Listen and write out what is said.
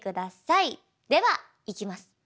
ではいきます。